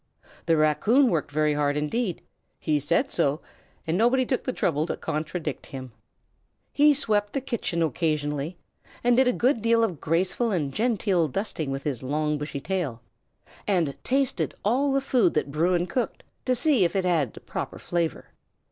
The raccoon worked very hard indeed: he said so, and nobody took the trouble to contradict him. He swept the kitchen occasionally, and did a good deal of graceful and genteel dusting with his long bushy tail, and tasted all the food that Bruin cooked, to see if it had the proper flavor.